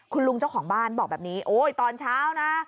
คุณลุงเจ้าของบ้านบอกแบบนี้โอ๊ยตอนเช้านะ